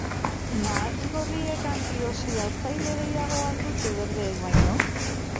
Mahats gorriek antioxidatzaile gehiago al dute berdeek baino?